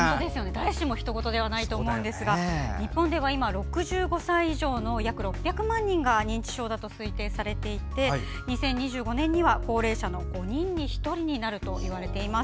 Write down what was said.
誰しもひと事ではないと思うんですが日本では今、６５歳以上の約６００万人が認知症だと推定されていて２０２５年には高齢者の５人に１人になるといわれています。